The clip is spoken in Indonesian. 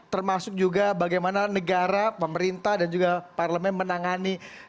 termasuk juga bagaimana negara pemerintah dan juga parlemen menangani